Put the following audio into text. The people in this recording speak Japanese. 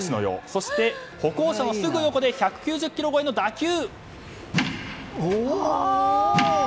そして、歩行者のすぐ横で１９０キロ超えの打球。